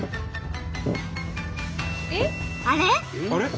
あれ？